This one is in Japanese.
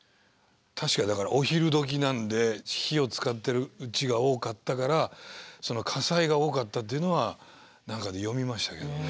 確かにだからお昼どきなので火を使ってるうちが多かったから火災が多かったっていうのは何かで読みましたけどね。